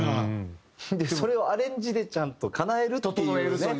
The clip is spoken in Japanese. それをアレンジでちゃんとかなえるっていうね。